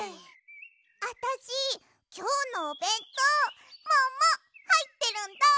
あたしきょうのおべんとうももはいってるんだ！